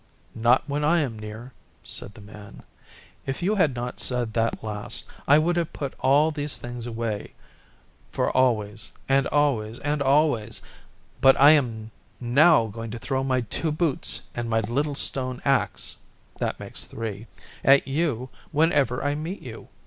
'Not when I am near,' said the Man. 'If you had not said that last I would have put all these things away for always and always and always; but I am now going to throw my two boots and my little stone axe (that makes three) at you whenever I meet you.